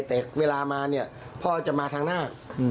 แต่เวลามาเนี่ยพ่อจะมาทางหน้า